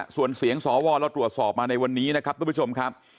ส่วนเสียงสวเราตรวจสอบมาในวันนี้นะครับทุกผู้ชมครับ